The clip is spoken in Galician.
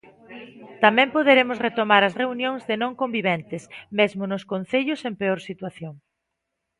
Tamén poderemos retomar as reunións de non conviventes, mesmo nos concellos en peor situación.